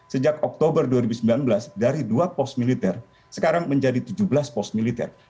sejak oktober dua ribu sembilan belas dari dua pos militer sekarang menjadi tujuh belas pos militer